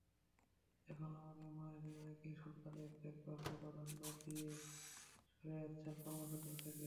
এখনো আমাদের মায়েদের অনেকেই সন্তানের দেখভালকে প্রাধান্য দিয়ে সরে আসছেন কর্মক্ষেত্র থেকে।